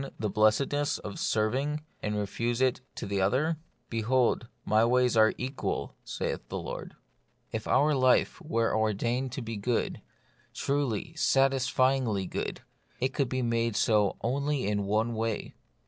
the blessedness of serving, and refuse it to the other ?" Behold, my ways are equal, saith the Lord." If our life were ordained to be good, truly, satisfyingly good, it could be made so only in one way.